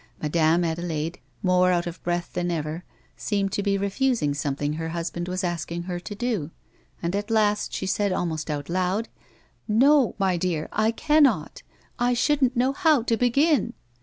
Madame Adelaide, more out of breath than ever, seemed to be refus ing something her husband was asking her to do; and at last she said almost out loud :" No, my dear, I cannot. I shovddn't know how to begin."